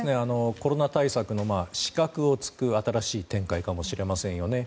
コロナ対策の死角を突く新しい展開かもしれませんよね。